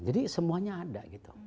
jadi semuanya ada